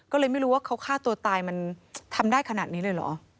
ก็เลยไม่รู้ว่าเขาฆ่าตัวตายมันทำได้ขนาดนี้เลยเหรอ